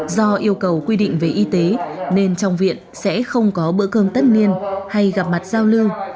do yêu cầu quy định về y tế nên trong viện sẽ không có bữa cơm tất niên hay gặp mặt giao lưu